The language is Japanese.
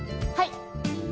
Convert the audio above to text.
はい。